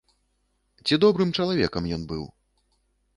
Ці добрым чалавекам ён быў?